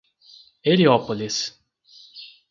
Heliópolis